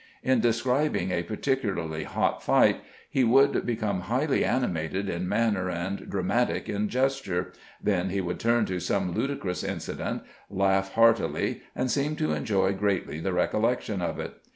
In describing a particu larly hot fight, he would become highly animated in manner and dramatic in gesture ; then he would turn to some ludicrous incident, laugh heartUy, and seem to enjoy greatly the recollection of it.